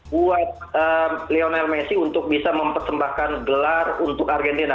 buat lionel messi untuk bisa mempersembahkan gelar untuk argentina